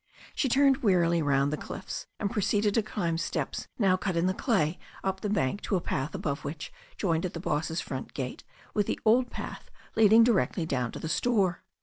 She turned wearily round the cliffs, and proceeded to climb steps now cut in the clay up the bank to a path above which joined at the boss's front gate with the old path lead ing directly down to the store.